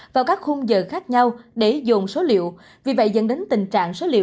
vào các khung giờ khác nhau để dồn số liệu vì vậy dẫn đến tình trạng số liệu